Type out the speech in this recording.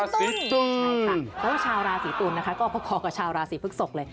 ใช่ค่ะแล้วชาวราศีตุลนะคะก็พอกับชาวราศีพฤกษกเลย